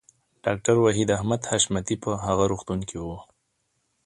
ډاکټر وحید احمد حشمتی په هغه روغتون کې و